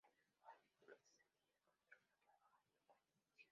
Mientras que el coaxial utiliza aceite y es construido para bajas frecuencias.